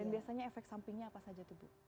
dan biasanya efek sampingnya apa saja tuh ibu